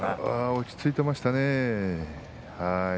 落ち着いていましたね